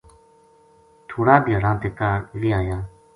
تھوڑا دھیاڑاں تے کاہڈ ویہ آیا